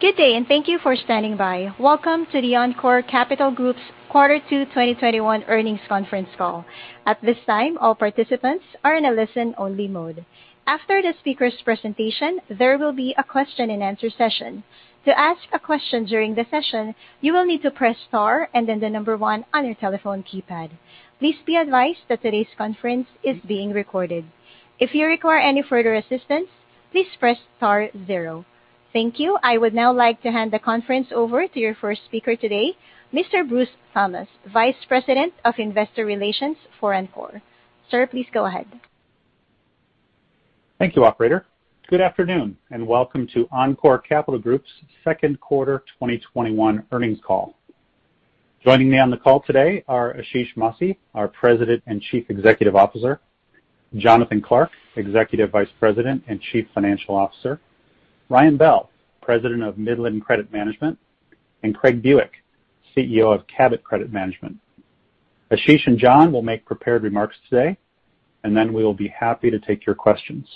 Good day, and thank you for standing by. Welcome to the Encore Capital Group's Quarter Two 2021 earnings conference call. At this time, all participants are on a listen-only mode. After the speakers presentation, there will be a Q&A session. To ask a question during the session, you will need to press star and then the number one on your telephone keypad. Please be advised that today's conference is being recorded. If you require further assistance, please press star zero. Thank you. I would now like to hand the conference over to your first speaker today, Mr. Bruce Thomas, Vice President of Investor Relations for Encore. Sir, please go ahead. Thank you, operator. Good afternoon, and welcome to Encore Capital Group's second quarter 2021 earnings call. Joining me on the call today are Ashish Masih, our President and Chief Executive Officer. Jonathan Clark, Executive Vice President and Chief Financial Officer. Ryan Bell, President of Midland Credit Management. Craig Buick, CEO of Cabot Credit Management. Ashish and Jon will make prepared remarks today, and then we will be happy to take your questions.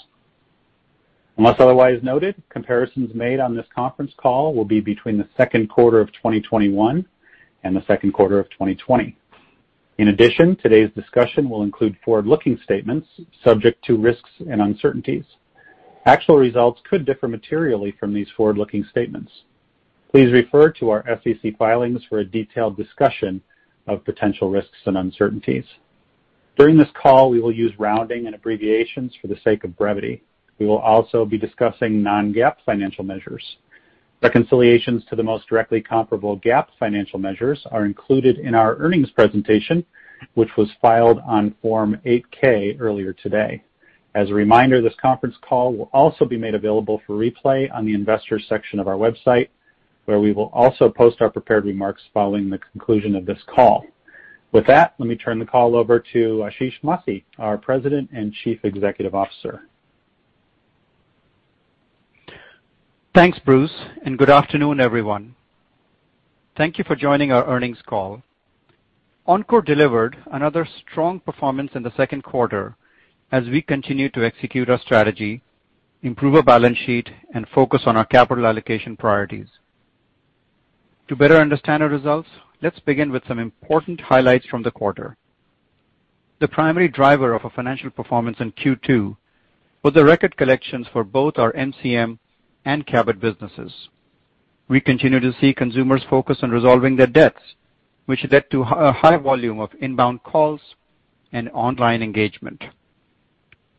Unless otherwise noted, comparisons made on this conference call will be between the second quarter of 2021 and the second quarter of 2020. In addition, today's discussion will include forward-looking statements subject to risks and uncertainties. Actual results could differ materially from these forward-looking statements. Please refer to our SEC filings for a detailed discussion of potential risks and uncertainties. During this call, we will use rounding and abbreviations for the sake of brevity. We will also be discussing non-GAAP financial measures. Reconciliations to the most directly comparable GAAP financial measures are included in our earnings presentation, which was filed on Form 8-K earlier today. As a reminder, this conference call will also be made available for replay on the investors section of our website, where we will also post our prepared remarks following the conclusion of this call. With that, let me turn the call over to Ashish Masih, our President and Chief Executive Officer. Thanks, Bruce. Good afternoon, everyone. Thank you for joining our earnings call. Encore delivered another strong performance in the second quarter as we continue to execute our strategy, improve our balance sheet, and focus on our capital allocation priorities. To better understand our results, let's begin with some important highlights from the quarter. The primary driver of our financial performance in Q2 was the record collections for both our MCM and Cabot businesses. We continue to see consumers focus on resolving their debts, which led to a high volume of inbound calls and online engagement.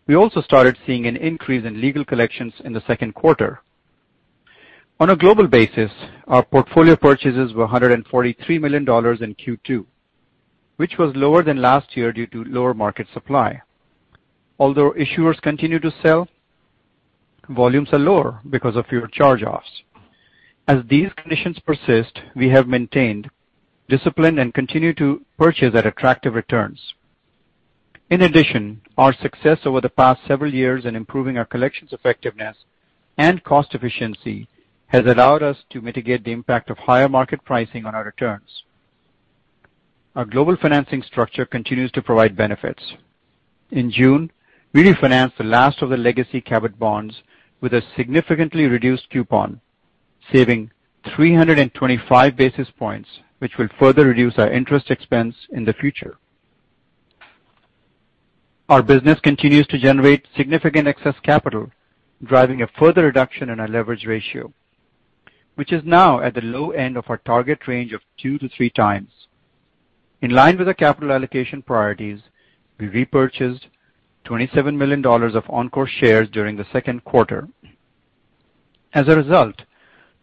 We also started seeing an increase in legal collections in the second quarter. On a global basis, our portfolio purchases were $143 million in Q2, which was lower than last year due to lower market supply. Issuers continue to sell, volumes are lower because of fewer charge-offs. As these conditions persist, we have maintained discipline and continue to purchase at attractive returns. In addition, our success over the past several years in improving our collections effectiveness and cost efficiency has allowed us to mitigate the impact of higher market pricing on our returns. Our global financing structure continues to provide benefits. In June, we refinanced the last of the legacy Cabot bonds with a significantly reduced coupon, saving 325 basis points, which will further reduce our interest expense in the future. Our business continues to generate significant excess capital, driving a further reduction in our leverage ratio, which is now at the low end of our target range of 2-3 times. In line with our capital allocation priorities, we repurchased $27 million of Encore shares during the second quarter. As a result,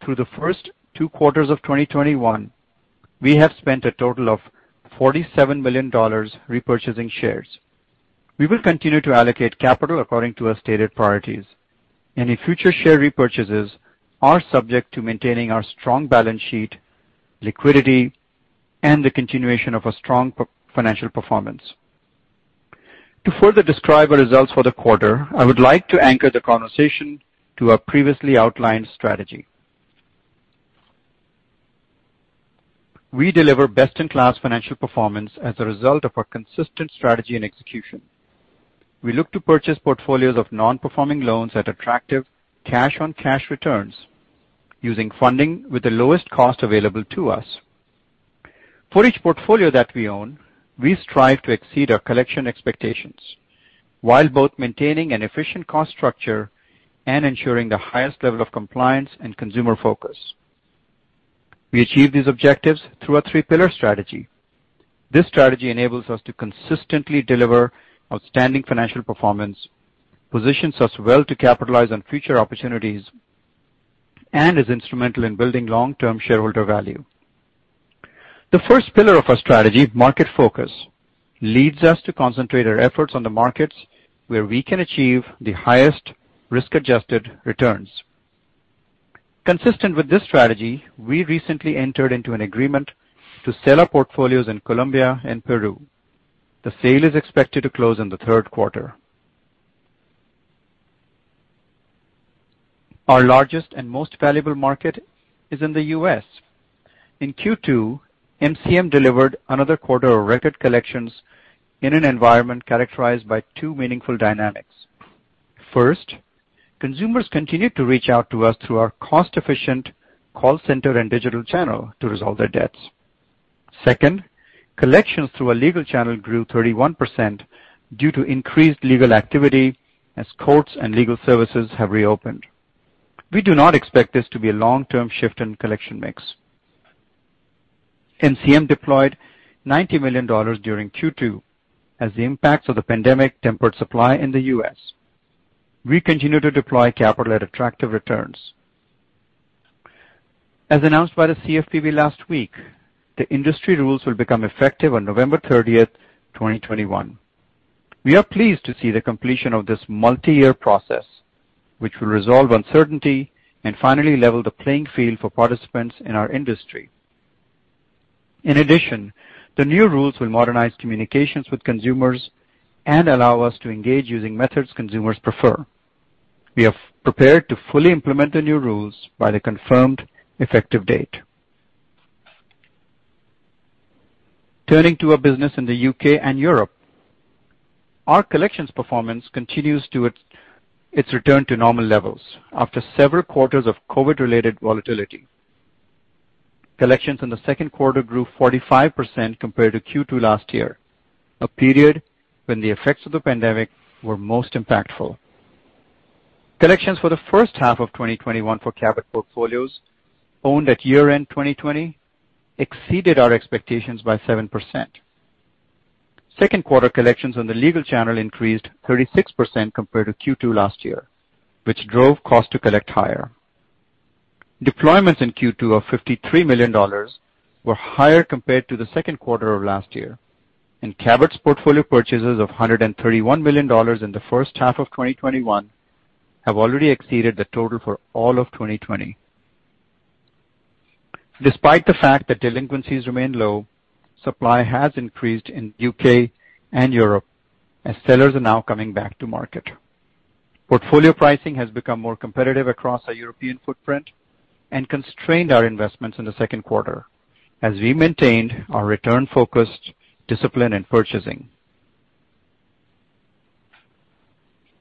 through the first two quarters of 2021, we have spent a total of $47 million repurchasing shares. We will continue to allocate capital according to our stated priorities. Any future share repurchases are subject to maintaining our strong balance sheet liquidity and the continuation of a strong financial performance. To further describe our results for the quarter, I would like to anchor the conversation to our previously outlined strategy. We deliver best-in-class financial performance as a result of our consistent strategy and execution. We look to purchase portfolios of non-performing loans at attractive cash-on-cash returns using funding with the lowest cost available to us. For each portfolio that we own, we strive to exceed our collection expectations while both maintaining an efficient cost structure and ensuring the highest level of compliance and consumer focus. We achieve these objectives through our three-pillar strategy. This strategy enables us to consistently deliver outstanding financial performance, positions us well to capitalize on future opportunities, and is instrumental in building long-term shareholder value. The first pillar of our strategy, market focus, leads us to concentrate our efforts on the markets where we can achieve the highest risk-adjusted returns. Consistent with this strategy, we recently entered into an agreement to sell our portfolios in Colombia and Peru. The sale is expected to close in the third quarter. Our largest and most valuable market is in the U.S. In Q2, MCM delivered another quarter of record collections in an environment characterized by two meaningful dynamics. First, consumers continued to reach out to us through our cost-efficient call center and digital channel to resolve their debts. Second, collections through our legal channel grew 31% due to increased legal activity as courts and legal services have reopened. We do not expect this to be a long-term shift in collection mix. MCM deployed $90 million during Q2 as the impacts of the pandemic tempered supply in the U.S. We continue to deploy capital at attractive returns. As announced by the CFPB last week, the industry rules will become effective on November 30th, 2021. We are pleased to see the completion of this multi-year process, which will resolve uncertainty and finally level the playing field for participants in our industry. In addition, the new rules will modernize communications with consumers and allow us to engage using methods consumers prefer. We are prepared to fully implement the new rules by the confirmed effective date. Turning to our business in the U.K. and Europe. Our collections performance continues to its return to normal levels after several quarters of COVID-related volatility. Collections in the second quarter grew 45% compared to Q2 last year, a period when the effects of the pandemic were most impactful. Collections for the first half of 2021 for Cabot portfolios owned at year-end 2020 exceeded our expectations by 7%. Second quarter collections on the legal channel increased 36% compared to Q2 last year, which drove cost to collect higher. Deployments in Q2 of $53 million were higher compared to the second quarter of last year, and Cabot's portfolio purchases of $131 million in the first half of 2021 have already exceeded the total for all of 2020. Despite the fact that delinquencies remain low, supply has increased in U.K. and Europe as sellers are now coming back to market. Portfolio pricing has become more competitive across our European footprint and constrained our investments in the second quarter as we maintained our return-focused discipline in purchasing.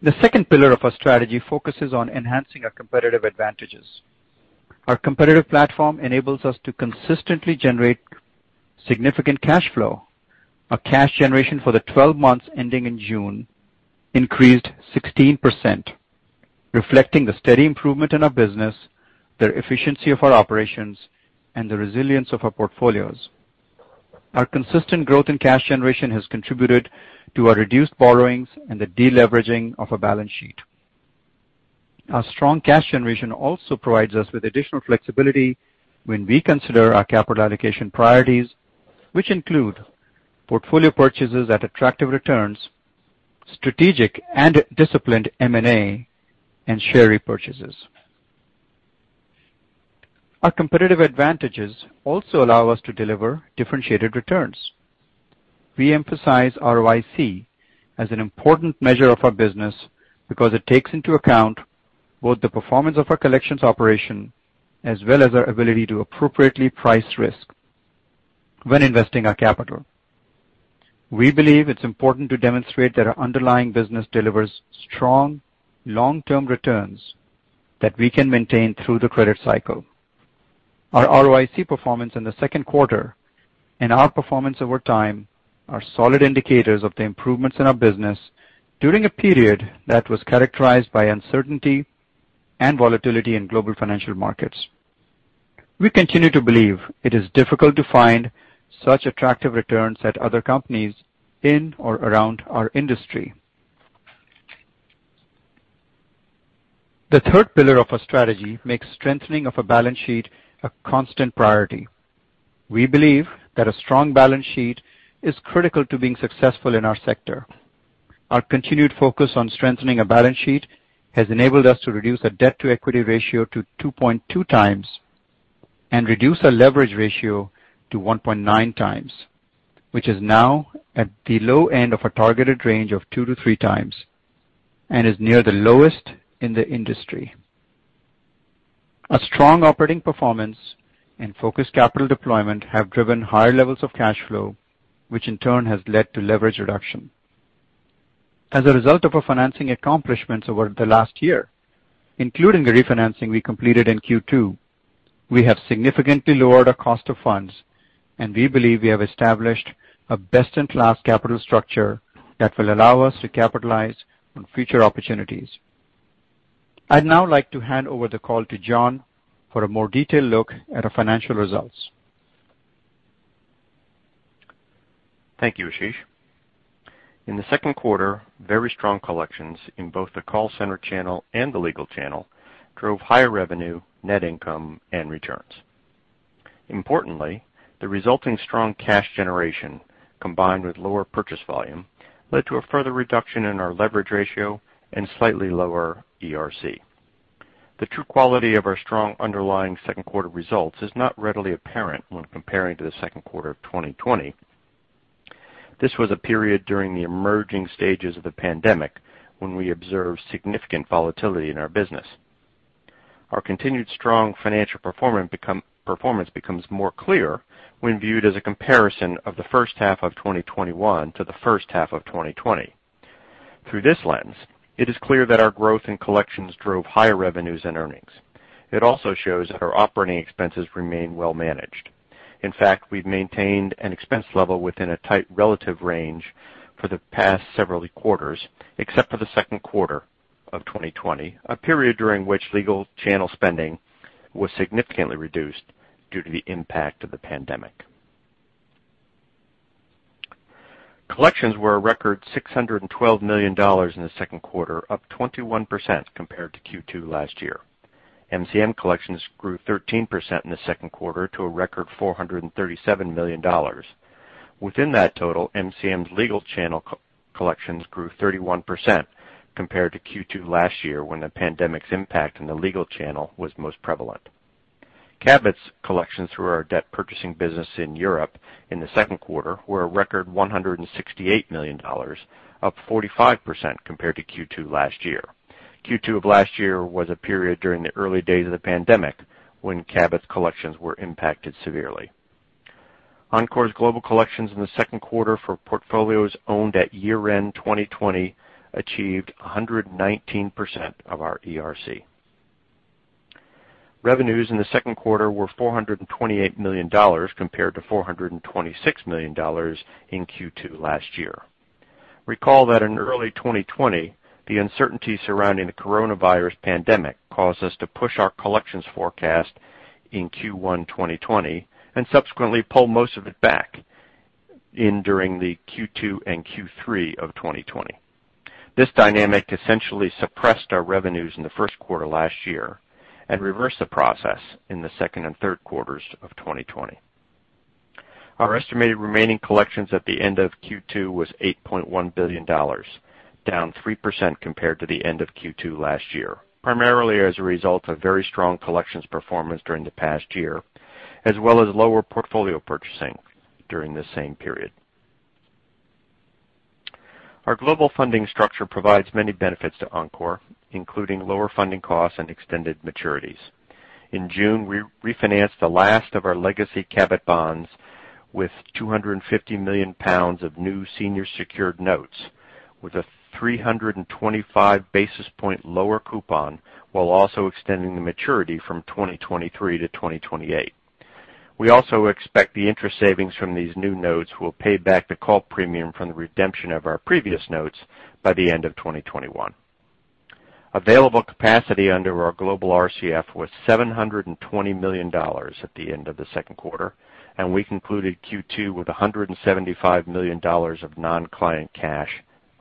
The second pillar of our strategy focuses on enhancing our competitive advantages. Our competitive platform enables us to consistently generate significant cash flow. Our cash generation for the 12 months ending in June increased 16%, reflecting the steady improvement in our business, the efficiency of our operations, and the resilience of our portfolios. Our consistent growth in cash generation has contributed to our reduced borrowings and the de-leveraging of our balance sheet. Our strong cash generation also provides us with additional flexibility when we consider our capital allocation priorities, which include portfolio purchases at attractive returns, strategic and disciplined M&A, and share repurchases. Our competitive advantages also allow us to deliver differentiated returns. We emphasize ROIC as an important measure of our business because it takes into account both the performance of our collections operation as well as our ability to appropriately price risk when investing our capital. We believe it's important to demonstrate that our underlying business delivers strong long-term returns that we can maintain through the credit cycle. Our ROIC performance in the second quarter and our performance over time are solid indicators of the improvements in our business during a period that was characterized by uncertainty and volatility in global financial markets. We continue to believe it is difficult to find such attractive returns at other companies in or around our industry. The third pillar of our strategy makes strengthening of our balance sheet a constant priority. We believe that a strong balance sheet is critical to being successful in our sector. Our continued focus on strengthening our balance sheet has enabled us to reduce our debt-to-equity ratio to 2.2 times and reduce our leverage ratio to 1.9x, which is now at the low end of our targeted range of 2-3 times and is near the lowest in the industry. Our strong operating performance and focused capital deployment have driven higher levels of cash flow, which in turn has led to leverage reduction. As a result of our financing accomplishments over the last year, including the refinancing we completed in Q2, we have significantly lowered our cost of funds, and we believe we have established a best-in-class capital structure that will allow us to capitalize on future opportunities. I'd now like to hand over the call to Jon for a more detailed look at our financial results. Thank you, Ashish. In the second quarter, very strong collections in both the call center channel and the legal channel drove higher revenue, net income, and returns. Importantly, the resulting strong cash generation, combined with lower purchase volume, led to a further reduction in our leverage ratio and slightly lower ERC. The true quality of our strong underlying second quarter results is not readily apparent when comparing to the second quarter of 2020. This was a period during the emerging stages of the pandemic when we observed significant volatility in our business. Our continued strong financial performance becomes more clear when viewed as a comparison of the first half of 2021 to the first half of 2020. Through this lens, it is clear that our growth in collections drove higher revenues and earnings. It also shows that our operating expenses remain well managed. In fact, we've maintained an expense level within a tight relative range for the past several quarters, except for the second quarter of 2020, a period during which legal channel spending was significantly reduced due to the impact of the pandemic. Collections were a record $612 million in the second quarter, up 21% compared to Q2 last year. MCM collections grew 13% in the second quarter to a record $437 million. Within that total, MCM's legal channel collections grew 31% compared to Q2 last year, when the pandemic's impact on the legal channel was most prevalent. Cabot's collections through our debt purchasing business in Europe in the second quarter were a record $168 million, up 45% compared to Q2 last year. Q2 of last year was a period during the early days of the pandemic when Cabot's collections were impacted severely. Encore's global collections in the second quarter for portfolios owned at year-end 2020 achieved 119% of our ERC. Revenues in the second quarter were $428 million compared to $426 million in Q2 last year. Recall that in early 2020, the uncertainty surrounding the coronavirus pandemic caused us to push our collections forecast in Q1 2020 and subsequently pull most of it back in during the Q2 and Q3 of 2020. This dynamic essentially suppressed our revenues in the first quarter last year and reversed the process in the second and third quarters of 2020. Our estimated remaining collections at the end of Q2 was $8.1 billion, down 3% compared to the end of Q2 last year, primarily as a result of very strong collections performance during the past year, as well as lower portfolio purchasing during the same period. Our global funding structure provides many benefits to Encore, including lower funding costs and extended maturities. In June, we refinanced the last of our legacy Cabot bonds with 250 million pounds of new senior secured notes with a 325 basis points lower coupon, while also extending the maturity from 2023 to 2028. We also expect the interest savings from these new notes will pay back the call premium from the redemption of our previous notes by the end of 2021. Available capacity under our global RCF was $720 million at the end of the second quarter, and we concluded Q2 with $175 million of non-client cash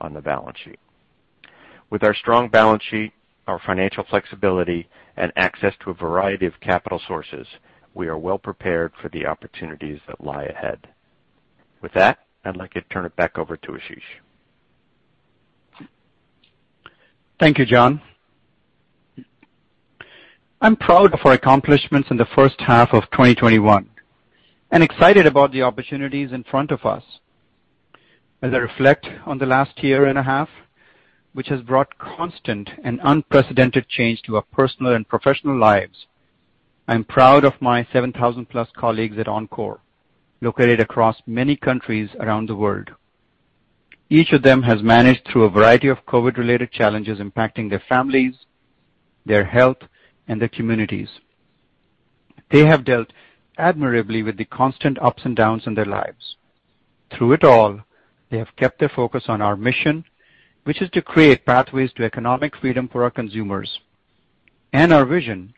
on the balance sheet. With our strong balance sheet, our financial flexibility, and access to a variety of capital sources, we are well prepared for the opportunities that lie ahead. With that, I'd like to turn it back over to Ashish. Thank you, Jon. I'm proud of our accomplishments in the first half of 2021 and excited about the opportunities in front of us. As I reflect on the last year and a half, which has brought constant and unprecedented change to our personal and professional lives, I'm proud of my 7,000-plus colleagues at Encore, located across many countries around the world. Each of them has managed through a variety of COVID-related challenges impacting their families, their health, and their communities. They have dealt admirably with the constant ups and downs in their lives. Through it all, they have kept their focus on our mission, which is to create pathways to economic freedom for our consumers, and our vision,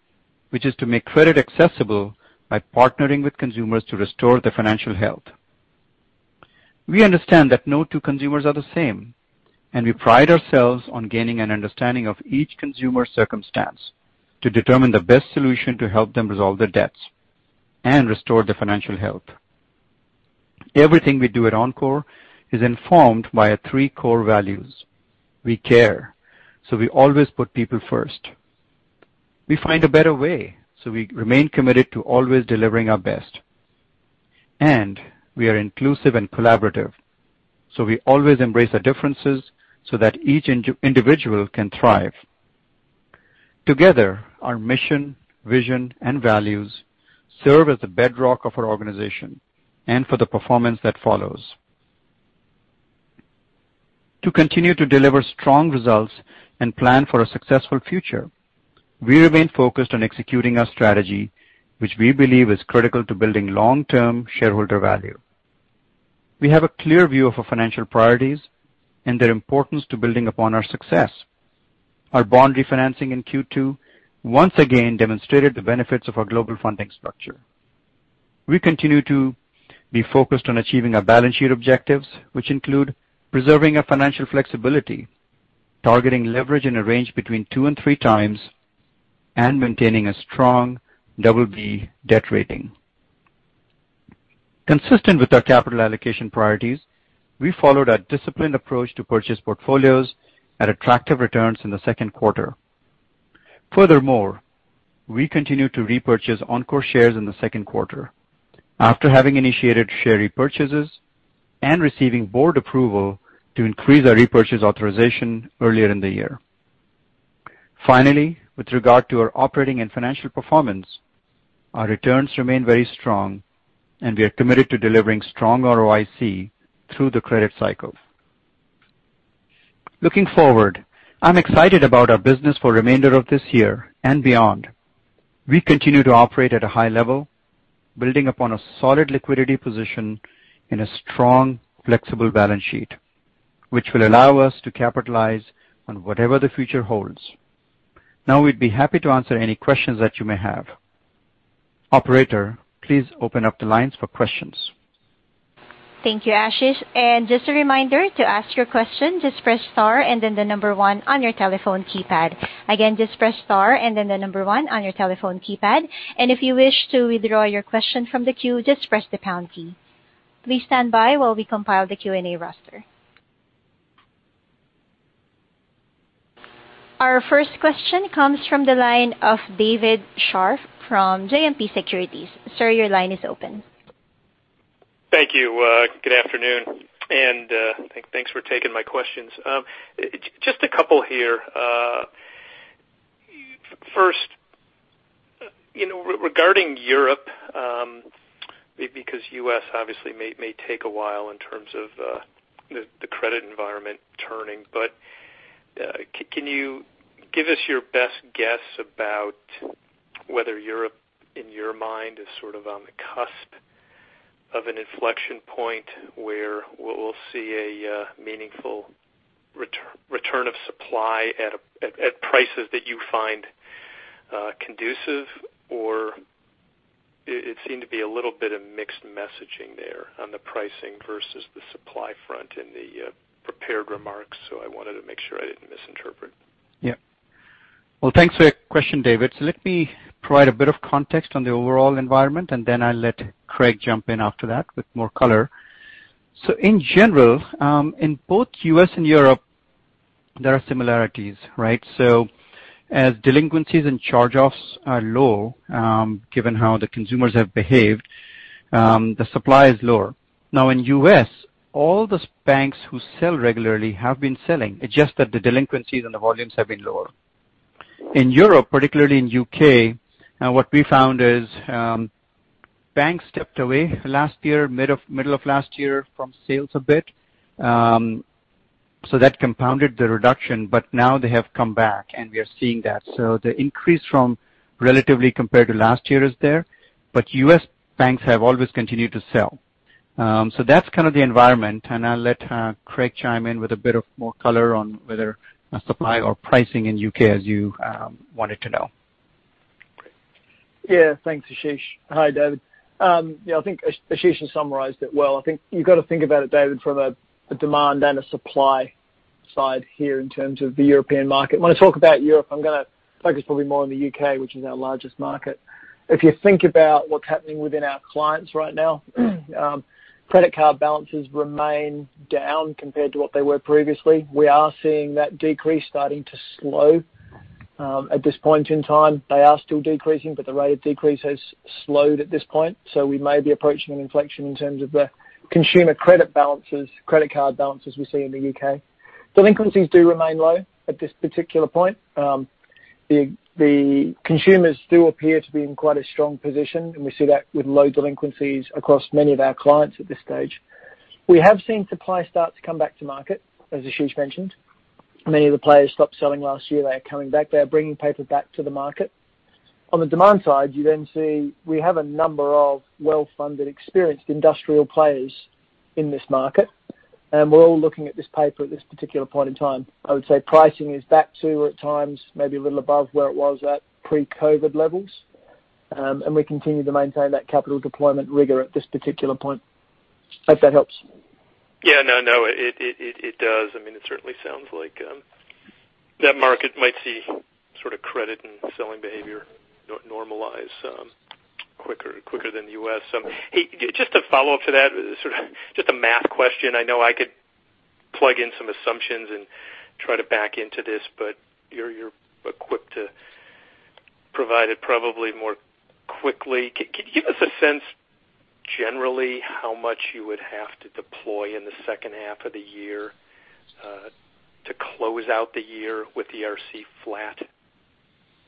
which is to make credit accessible by partnering with consumers to restore their financial health. We understand that no two consumers are the same, and we pride ourselves on gaining an understanding of each consumer's circumstance to determine the best solution to help them resolve their debts and restore their financial health. Everything we do at Encore is informed by our three core values. We care. We always put people first. We find a better way, so we remain committed to always delivering our best. We are inclusive and collaborative, so we always embrace our differences so that each individual can thrive. Together, our mission, vision, and values serve as the bedrock of our organization and for the performance that follows. To continue to deliver strong results and plan for a successful future, we remain focused on executing our strategy, which we believe is critical to building long-term shareholder value. We have a clear view of our financial priorities and their importance to building upon our success. Our bond refinancing in Q2 once again demonstrated the benefits of our global funding structure. We continue to be focused on achieving our balance sheet objectives, which include preserving our financial flexibility, targeting leverage in a range between two and three times, and maintaining a strong BB debt rating. Consistent with our capital allocation priorities, we followed a disciplined approach to purchase portfolios at attractive returns in the second quarter. Furthermore, we continue to repurchase Encore shares in the second quarter after having initiated share repurchases and receiving board approval to increase our repurchase authorization earlier in the year. Finally, with regard to our operating and financial performance, our returns remain very strong, and we are committed to delivering strong ROIC through the credit cycle. Looking forward, I'm excited about our business for remainder of this year and beyond. We continue to operate at a high level, building upon a solid liquidity position and a strong, flexible balance sheet, which will allow us to capitalize on whatever the future holds. We'd be happy to answer any questions that you may have. Operator, please open up the lines for questions. Thank you, Ashish. Just a reminder, to ask your question, just press star and then one on your telephone keypad. Again, just press star and then one on your telephone keypad. If you wish to withdraw your question from the queue, just press the pound key. Please stand by while we compile the Q&A roster. Our first question comes from the line of David Scharf from JMP Securities. Sir, your line is open. Thank you. Good afternoon. Thanks for taking my questions. Just a couple here. First, regarding Europe because U.S. obviously may take a while in terms of the credit environment turning. Can you give us your best guess about whether Europe, in your mind, is sort of on the cusp of an inflection point where we'll see a meaningful return of supply at prices that you find conducive? It seemed to be a little bit of mixed messaging there on the pricing versus the supply front in the prepared remarks. I wanted to make sure I didn't misinterpret. Yeah. Well, thanks for your question, David. Let me provide a bit of context on the overall environment, and then I'll let Craig jump in after that with more color. In general, in both U.S. and Europe, there are similarities, right? As delinquencies and charge-offs are low, given how the consumers have behaved, the supply is lower. Now in U.S., all the banks who sell regularly have been selling. It's just that the delinquencies and the volumes have been lower. In Europe, particularly in U.K., what we found is banks stepped away last year, middle of last year from sales a bit. That compounded the reduction. Now they have come back, and we are seeing that. The increase from relatively compared to last year is there. U.S. banks have always continued to sell. That's kind of the environment. I'll let Craig chime in with a bit of more color on whether supply or pricing in U.K. as you wanted to know. Thanks, Ashish. Hi, David. Ashish has summarized it well. You've got to think about it, David, from a demand and a supply side here in terms of the European market. When I talk about Europe, I'm going to focus probably more on the U.K., which is our largest market. If you think about what's happening within our clients right now, credit card balances remain down compared to what they were previously. We are seeing that decrease starting to slow. At this point in time, they are still decreasing, the rate of decrease has slowed at this point. We may be approaching an inflection in terms of the consumer credit balances, credit card balances we see in the U.K. Delinquencies do remain low at this particular point. The consumers do appear to be in quite a strong position, and we see that with low delinquencies across many of our clients at this stage. We have seen supply start to come back to market, as Ashish mentioned. Many of the players stopped selling last year. They are coming back. They are bringing paper back to the market. On the demand side, you then see we have a number of well-funded, experienced industrial players in this market. We're all looking at this paper at this particular point in time. I would say pricing is back to, or at times maybe a little above where it was at pre-COVID levels. We continue to maintain that capital deployment rigor at this particular point. Hope that helps. Yeah. No, it does. It certainly sounds like that market might see sort of credit and selling behavior normalize quicker than the U.S. Just a follow-up to that, sort of just a math question. I know I could plug in some assumptions and try to back into this, but you're equipped to provide it probably more quickly. Can you give us a sense generally how much you would have to deploy in the second half of the year to close out the year with the ERC flat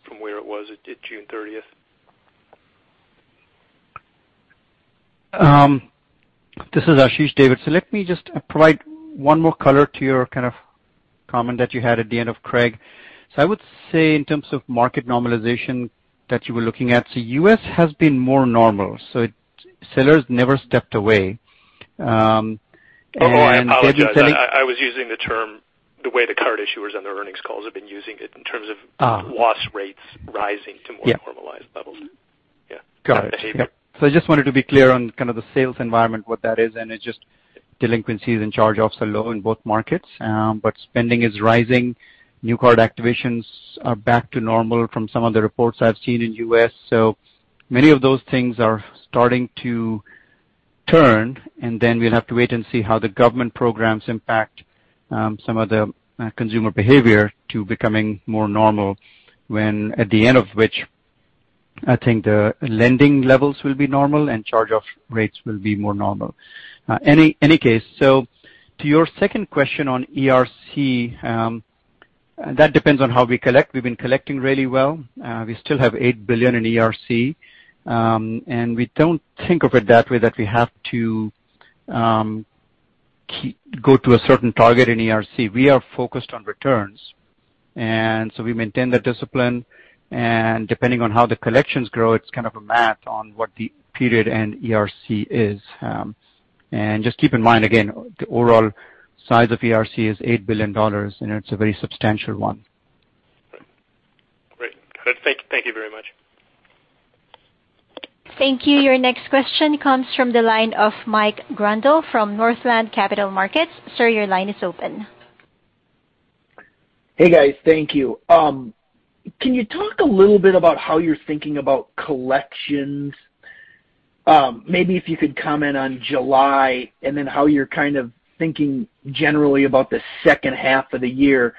from where it was at June 30th? This is Ashish, David. Let me just provide one more color to your kind of comment that you had at the end of Craig. I would say in terms of market normalization that you were looking at, U.S. has been more normal. Sellers never stepped away. Oh, I apologize. I was using the term the way the card issuers on their earnings calls have been using it in terms of loss rates rising to more normalized levels. Got it. I just wanted to be clear on kind of the sales environment, what that is, and it's just delinquencies and charge-offs are low in both markets. Spending is rising. New card activations are back to normal from some of the reports I've seen in the U.S. Many of those things are starting to turn, we'll have to wait and see how the government programs impact some of the consumer behavior to becoming more normal, at the end of which, I think the lending levels will be normal and charge-off rates will be more normal. Any case, to your second question on ERC, that depends on how we collect. We've been collecting really well. We still have $8 billion in ERC. We don't think of it that way that we have to go to a certain target in ERC. We are focused on returns. We maintain that discipline, and depending on how the collections grow, it's kind of a math on what the period end ERC is. Just keep in mind, again, the overall size of ERC is $8 billion, and it's a very substantial one. Great. Good. Thank you very much. Thank you. Your next question comes from the line of Mike Grondahl from Northland Capital Markets. Sir, your line is open. Hey, guys. Thank you. Can you talk a little bit about how you're thinking about collections? Maybe if you could comment on July and then how you're kind of thinking generally about the second half of the year.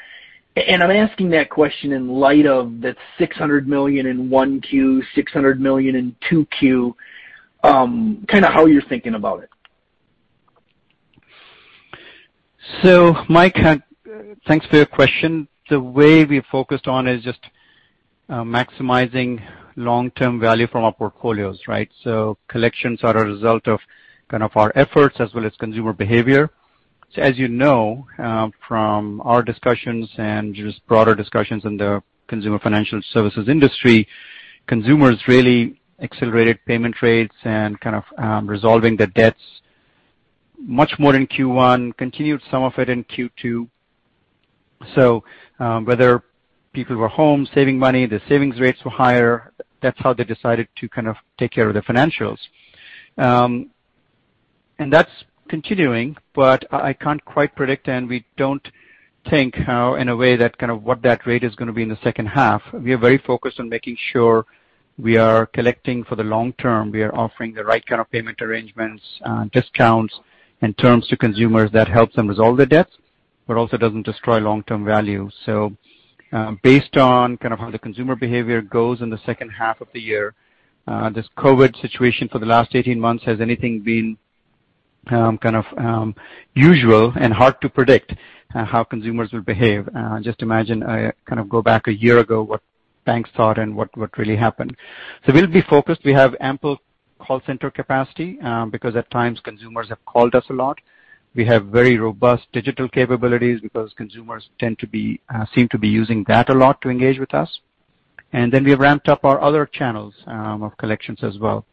I'm asking that question in light of that $600 million in Q1, $600 million in Q2, kind of how you're thinking about it? Mike, thanks for your question. The way we're focused on is just maximizing long-term value from our portfolios, right? Collections are a result of our efforts as well as consumer behavior. As you know from our discussions and just broader discussions in the consumer financial services industry, consumers really accelerated payment rates and resolving their debts much more in Q1, continued some of it in Q2. Whether people were home saving money, the savings rates were higher. That's how they decided to take care of their financials. That's continuing, but I can't quite predict, and we don't think how, in a way, what that rate is going to be in the second half. We are very focused on making sure we are collecting for the long term. We are offering the right kind of payment arrangements, discounts, and terms to consumers that helps them resolve their debts, but also doesn't destroy long-term value. Based on how the consumer behavior goes in the second half of the year, this COVID situation for the last 18 months, has anything been kind of usual and hard to predict how consumers will behave? Just imagine go back a year ago, what banks thought and what really happened. We'll be focused. We have ample call center capacity because, at times, consumers have called us a lot. We have very robust digital capabilities because consumers seem to be using that a lot to engage with us. We've ramped up our other channels of collections as well.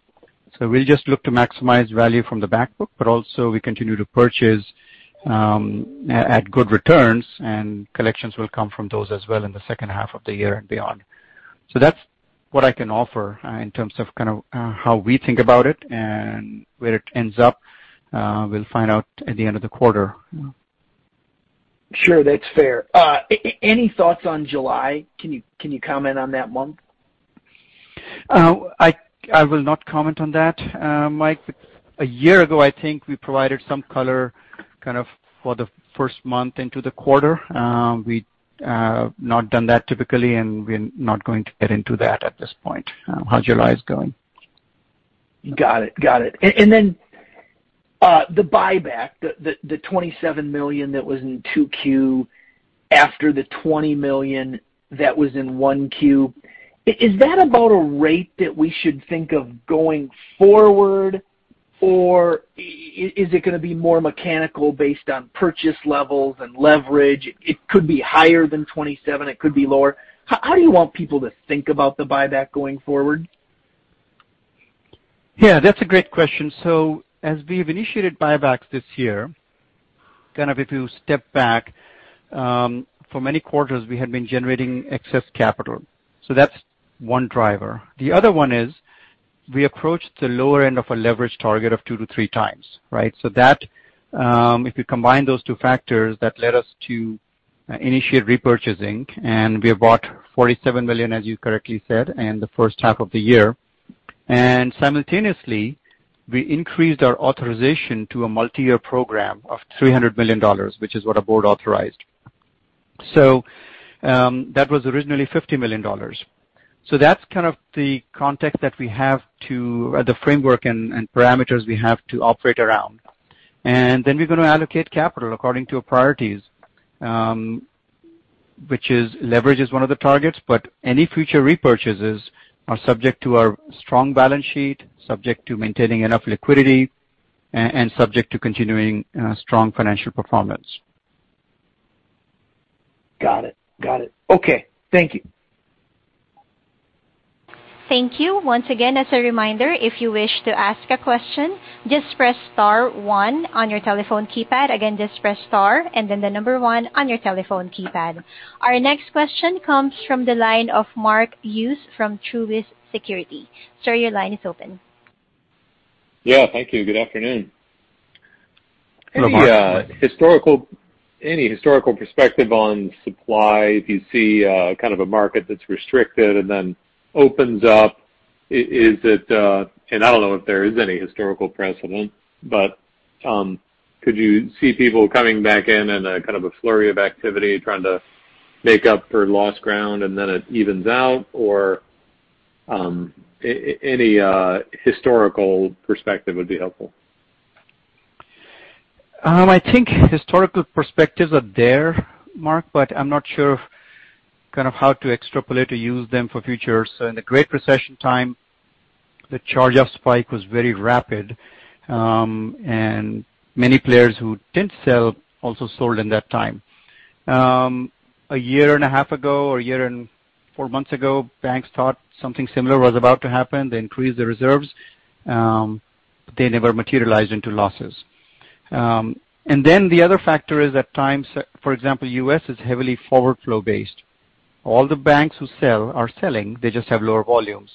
We'll just look to maximize value from the back book, but also we continue to purchase at good returns, and collections will come from those as well in the second half of the year and beyond. That's what I can offer in terms of how we think about it and where it ends up. We'll find out at the end of the quarter. Sure. That's fair. Any thoughts on July? Can you comment on that month? I will not comment on that, Mike. A year ago, I think we provided some color for the first month into the quarter. We've not done that typically, and we're not going to get into that at this point how July is going. Got it. The buyback, the $27 million that was in Q2 after the $20 million that was in 1Q. Is that about a rate that we should think of going forward, or is it going to be more mechanical based on purchase levels and leverage? It could be higher than $27 million, it could be lower. How do you want people to think about the buyback going forward? That's a great question. As we've initiated buybacks this year, if you step back, for many quarters, we had been generating excess capital. The other one is we approached the lower end of a leverage target of 2-3 times, right? If you combine those two factors, that led us to initiate repurchasing, and we have bought $47 million, as you correctly said, in the first half of the year. Simultaneously, we increased our authorization to a multi-year program of $300 million, which is what our board authorized. That was originally $50 million. That's kind of the context that the framework and parameters we have to operate around. We're going to allocate capital according to our priorities, which is leverage is one of the targets, but any future repurchases are subject to our strong balance sheet, subject to maintaining enough liquidity, and subject to continuing strong financial performance. Got it. Okay. Thank you. Thank you. Once again, as a reminder, if you wish to ask a question, just press star one on your telephone keypad. Again, just press star and then the number one on your telephone keypad. Our next question comes from the line of Mark Hughes from Truist Securities. Sir, your line is open. Yeah, thank you. Good afternoon. Any historical perspective on supply if you see a market that's restricted and then opens up. I don't know if there is any historical precedent, but could you see people coming back in a flurry of activity trying to make up for lost ground, and then it evens out? Any historical perspective would be helpful. I think historical perspectives are there, Mark, but I'm not sure how to extrapolate or use them for future. In the Great Recession time, the charge-off spike was very rapid, and many players who didn't sell also sold in that time. A year and a half ago, or a year and four months ago, banks thought something similar was about to happen. They increased their reserves, they never materialized into losses. The other factor is at times, for example, U.S. is heavily forward flow based. All the banks who sell are selling, they just have lower volumes.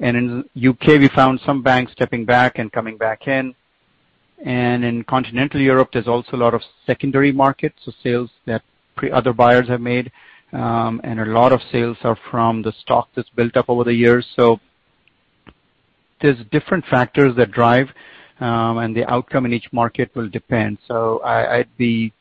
In the U.K., we found some banks stepping back and coming back in. In continental Europe, there's also a lot of secondary markets, so sales that other buyers have made, and a lot of sales are from the stock that's built up over the years. There's different factors that drive, and the outcome in each market will depend. I'd be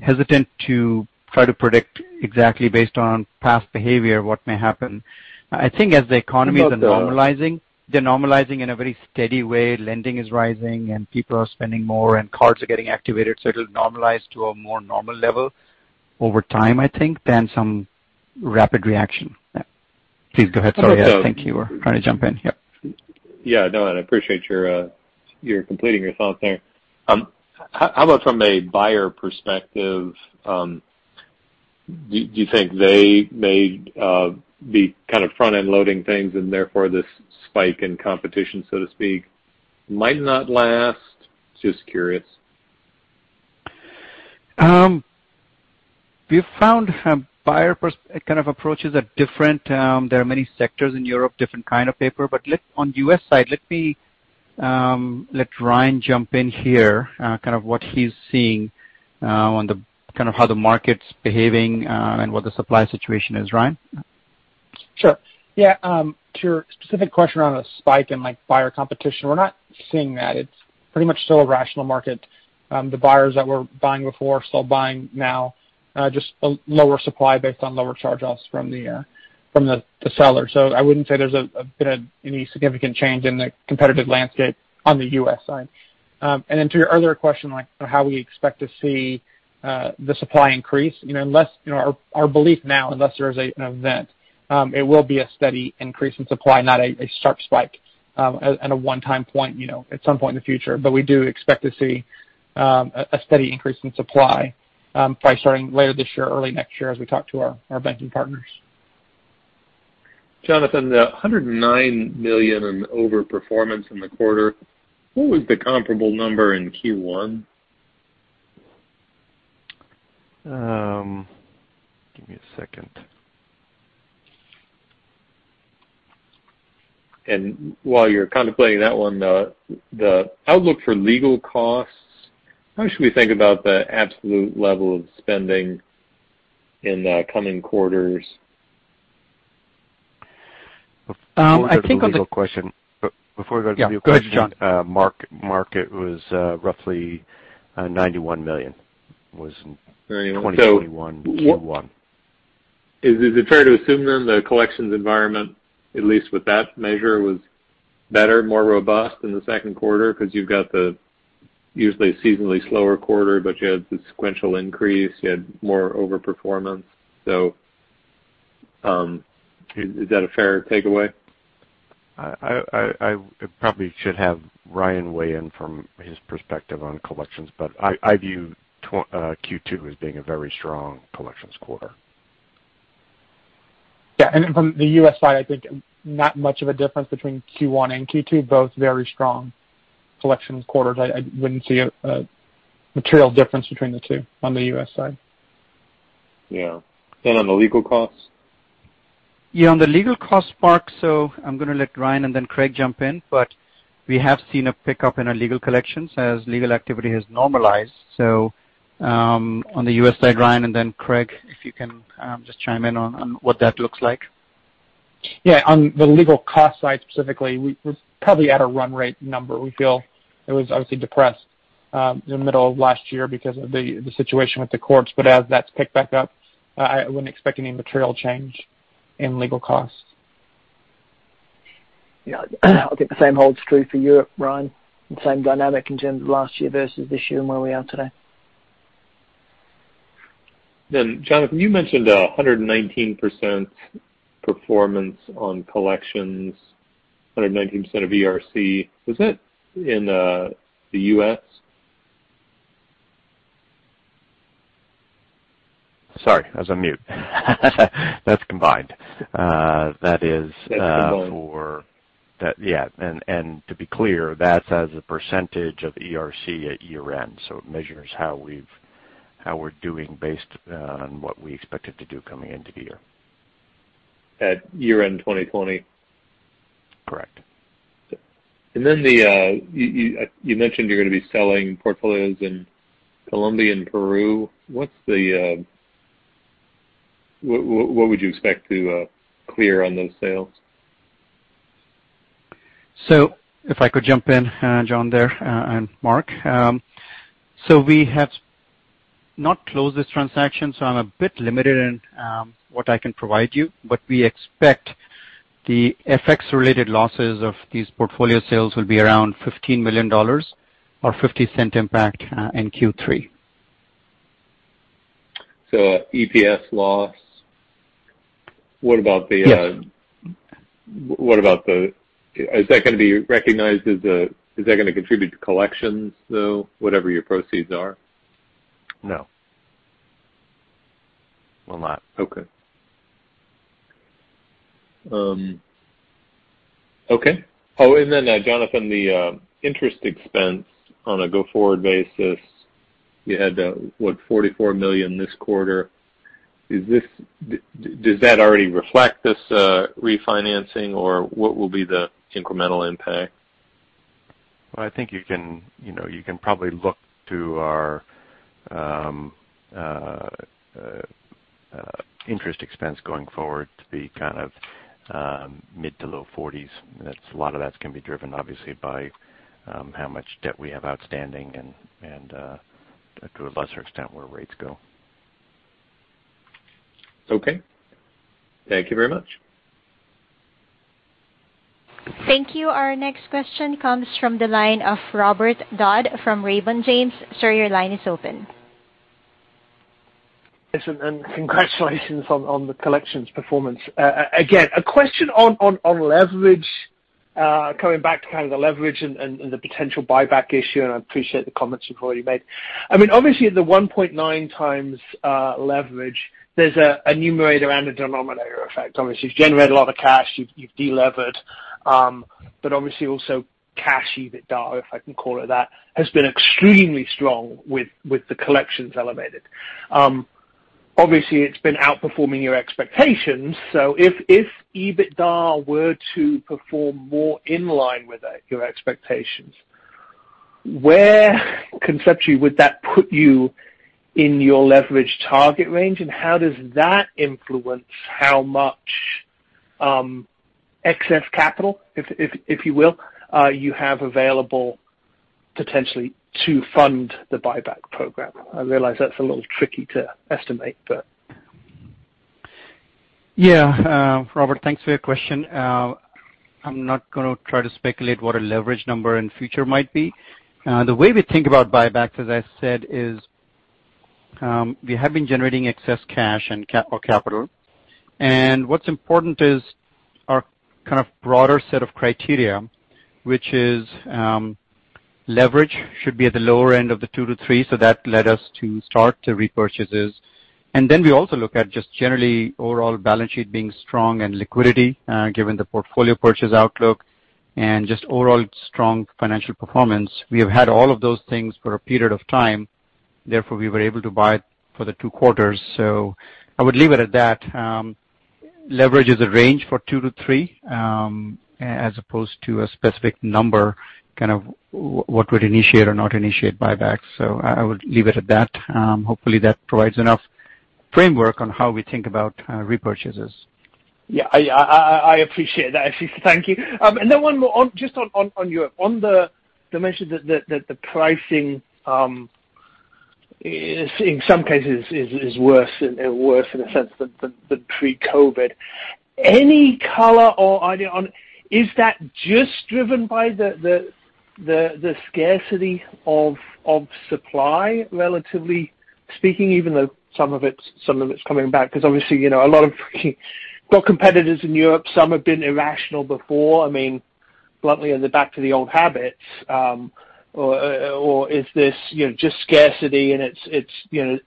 hesitant to try to predict exactly based on past behavior what may happen. I think as the economies are normalizing, they're normalizing in a very steady way. Lending is rising, and people are spending more, and cards are getting activated. It'll normalize to a more normal level over time, I think, than some rapid reaction. Please go ahead, sorry. I think you were trying to jump in. Yeah. Yeah, no. I appreciate you're completing your thoughts there. How about from a buyer perspective? Do you think they may be front-end loading things and therefore this spike in competition, so to speak, might not last? Just curious. We've found buyer approaches are different. There are many sectors in Europe, different kind of paper. On the U.S. side, let Ryan jump in here, what he's seeing on how the market's behaving and what the supply situation is. Ryan? Sure. Yeah. To your specific question around a spike in buyer competition, we're not seeing that. It's pretty much still a rational market. The buyers that were buying before are still buying now, just a lower supply based on lower charge-offs from the seller. I wouldn't say there's been any significant change in the competitive landscape on the U.S. side. To your earlier question, how we expect to see the supply increase. Our belief now, unless there is an event, it will be a steady increase in supply, not a sharp spike at a one-time point, at some point in the future. We do expect to see a steady increase in supply, probably starting later this year or early next year as we talk to our banking partners. Jonathan, the $109 million in overperformance in the quarter, what was the comparable number in Q1? Give me a second. While you're contemplating that one, the outlook for legal costs, how should we think about the absolute level of spending in the coming quarters? Before I go to the legal question- Yeah, go ahead, Jon. Mark, it was roughly $91 million, was in 2021 Q1. Is it fair to assume then the collections environment, at least with that measure, was better, more robust in the second quarter because you've got the usually seasonally slower quarter, but you had the sequential increase, you had more overperformance. Is that a fair takeaway? I probably should have Ryan weigh in from his perspective on collections, but I view Q2 as being a very strong collections quarter. Yeah. From the U.S. side, I think not much of a difference between Q1 and Q2, both very strong collections quarters. I wouldn't see a material difference between the two on the U.S. side. Yeah. On the legal costs? Yeah, on the legal cost part, I'm going to let Ryan and then Craig jump in. We have seen a pickup in our legal collections as legal activity has normalized. On the U.S. side, Ryan, and then Craig, if you can just chime in on what that looks like. Yeah. On the legal cost side specifically, we're probably at a run rate number. We feel it was obviously depressed in the middle of last year because of the situation with the courts. As that's picked back up, I wouldn't expect any material change in legal costs. Yeah. I think the same holds true for Europe, Ryan. The same dynamic in terms of last year versus this year and where we are today. Jonathan, you mentioned 119% performance on collections, 119% of ERC. Was that in the U.S.? Sorry, I was on mute. That's combined. That's combined. Yeah. To be clear, that's as a percentage of ERC at year-end. It measures how we're doing based on what we expected to do coming into the year. At year-end 2020? Correct. You mentioned you're going to be selling portfolios in Colombia and Peru. What would you expect to clear on those sales? If I could jump in, Jon, there, and Mark. We have not closed this transaction, so I'm a bit limited in what I can provide you. We expect the FX-related losses of these portfolio sales will be around $15 million or $0.50 impact in Q3. EPS loss. Yes. Is that going to be recognized, is that going to contribute to collections, though, whatever your proceeds are? No. Will not. Okay. Oh, Jonathan, the interest expense on a go-forward basis, you had, what, $44 million this quarter. Does that already reflect this refinancing, or what will be the incremental impact? Well, I think you can probably look to our interest expense going forward to be mid to low $40s. A lot of that's going to be driven, obviously, by how much debt we have outstanding and, to a lesser extent, where rates go. Okay. Thank you very much. Thank you. Our next question comes from the line of Robert Dodd from Raymond James. Sir, your line is open. Listen, congratulations on the collections performance. Again, a question on leverage, coming back to the leverage and the potential buyback issue, and I appreciate the comments you've already made. Obviously at the 1.9 times leverage, there's a numerator and a denominator effect. Obviously, you've generated a lot of cash, you've de-levered. Obviously also cash EBITDA, if I can call it that, has been extremely strong with the collections elevated. Obviously, it's been outperforming your expectations. If EBITDA were to perform more in line with your expectations, where conceptually would that put you in your leverage target range, and how does that influence how much excess capital, if you will, you have available potentially to fund the buyback program? I realize that's a little tricky to estimate. Yeah. Robert, thanks for your question. I'm not going to try to speculate what a leverage number in future might be. What's important is our broader set of criteria, which is leverage should be at the lower end of the 2-3, that led us to start the repurchases. We also look at just generally overall balance sheet being strong and liquidity, given the portfolio purchase outlook, and just overall strong financial performance. We have had all of those things for a period of time, therefore, we were able to buy for the two quarters. I would leave it at that. Leverage is a range for 2-3, as opposed to a specific number, what would initiate or not initiate buybacks. I would leave it at that. Hopefully, that provides enough framework on how we think about repurchases. Yeah. I appreciate that, Ashish. Thank you. One more just on Europe. On the dimension that the pricing, in some cases, is worse in a sense than pre-COVID. Any color or idea on it? Is that just driven by the scarcity of supply, relatively speaking, even though some of it's coming back? Obviously, a lot of competitors in Europe, some have been irrational before. Bluntly, are they back to the old habits? Is this just scarcity, and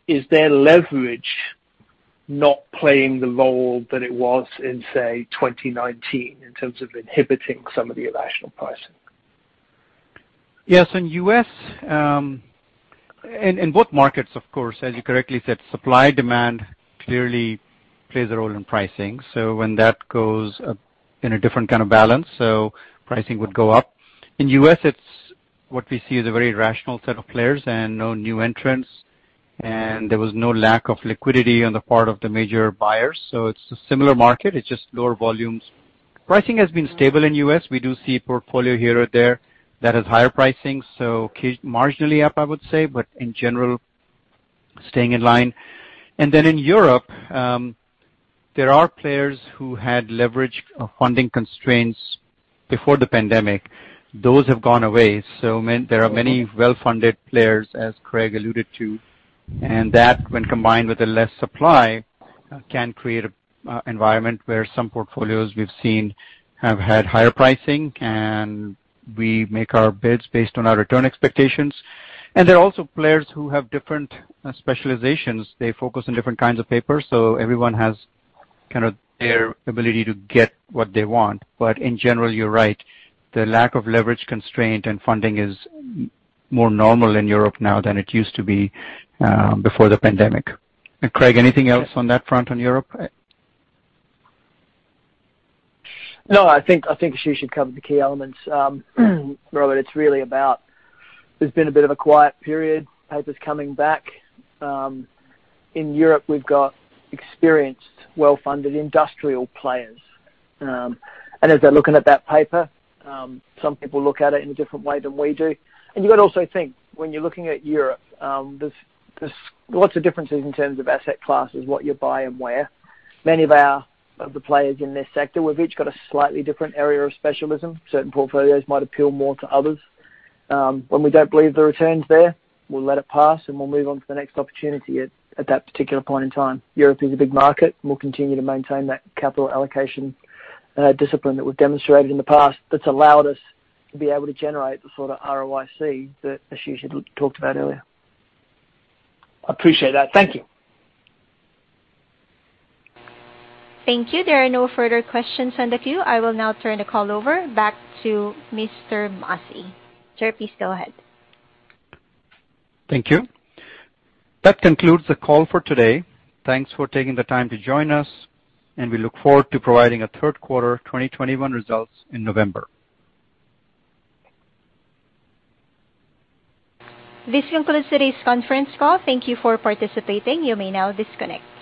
is their leverage not playing the role that it was in, say, 2019, in terms of inhibiting some of the irrational pricing? Yes. In both markets, of course, as you correctly said, supply-demand clearly plays a role in pricing. When that goes in a different kind of balance, so pricing would go up. In U.S., what we see is a very rational set of players and no new entrants. There was no lack of liquidity on the part of the major buyers. It's a similar market. It's just lower volumes. Pricing has been stable in U.S. We do see portfolio here or there that has higher pricing, so marginally up, I would say, but in general, staying in line. In Europe, there are players who had leverage funding constraints before the pandemic. Those have gone away. There are many well-funded players, as Craig alluded to, and that, when combined with the less supply, can create an environment where some portfolios we've seen have had higher pricing, and we make our bids based on our return expectations. There are also players who have different specializations. They focus on different kinds of paper, so everyone has their ability to get what they want. In general, you're right. The lack of leverage constraint and funding is more normal in Europe now than it used to be before the pandemic. Craig, anything else on that front on Europe? No. I think Ashish covered the key elements, Robert. It's really about there's been a bit of a quiet period, paper's coming back. In Europe, we've got experienced, well-funded industrial players. As they're looking at that paper, some people look at it in a different way than we do. You've got to also think, when you're looking at Europe, there's lots of differences in terms of asset classes, what you buy and where. Many of the players in this sector have each got a slightly different area of specialism. Certain portfolios might appeal more to others. When we don't believe the return's there, we'll let it pass, and we'll move on to the next opportunity at that particular point in time. Europe is a big market, and we'll continue to maintain that capital allocation discipline that we've demonstrated in the past that's allowed us to be able to generate the sort of ROIC that Ashish had talked about earlier. I appreciate that. Thank you. Thank you. There are no further questions on the queue. I will now turn the call over back to Mr. Masih. Sir, please go ahead. Thank you. That concludes the call for today. Thanks for taking the time to join us, and we look forward to providing our third quarter 2021 results in November. This concludes today's conference call. Thank you for participating. You may now disconnect.